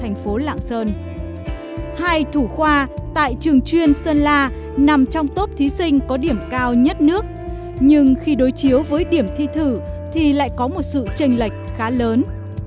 hai thủ khoa tại trường chuyên sơn la nằm trong top thí sinh có điểm cao nhất nước nhưng khi đối chiếu với điểm thi thử thì lại có một sự tranh lệch khá lớn